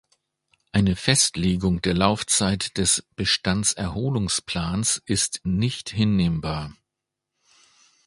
Eine Festlegung der Laufzeit des Bestandserholungsplans ist nicht hinnehmbar.